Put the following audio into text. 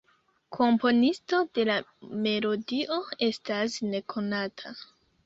Komponisto de la melodio estas nekonata.